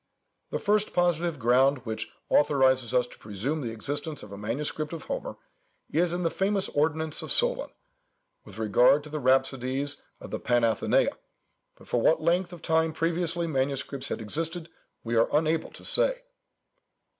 The first positive ground which authorizes us to presume the existence of a manuscript of Homer, is in the famous ordinance of Solôn, with regard to the rhapsodies at the Panathenæa: but for what length of time previously manuscripts had existed, we are unable to say.